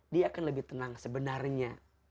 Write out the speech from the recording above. dia akan lebih tenang sebenarnya